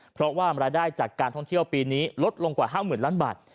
เพราะว่ารายได้จากการท่องเที่ยวปีนี้ลดลงกว่า๕๐๐๐ล้านบาท